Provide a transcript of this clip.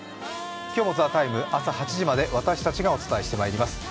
今日も「ＴＨＥＴＩＭＥ，」、朝８時まで私たちがお伝えして参ります。